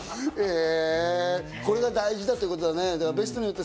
これが大事だってことだね。